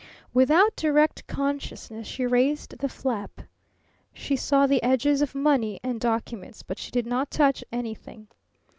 Without direct consciousness she raised the flap. She saw the edges of money and documents; but she did not touch anything.